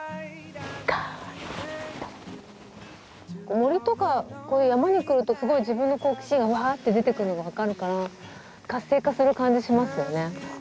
森とか山に来るとすごい自分の好奇心がうわって出てくるのが分かるから活性化する感じしますよね。